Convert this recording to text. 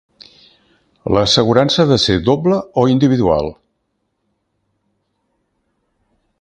L'assegurança ha de ser doble o individual?